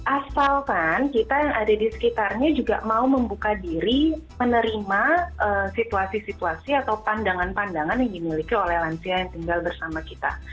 asalkan kita yang ada di sekitarnya juga mau membuka diri menerima situasi situasi atau pandangan pandangan yang dimiliki oleh lansia yang tinggal bersama kita